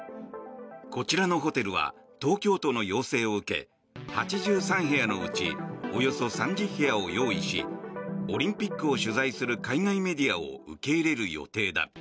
こちらのホテルは東京都の要請を受け８３部屋のうちおよそ３０部屋を用意しオリンピックを取材する海外メディアを受け入れる予定だ。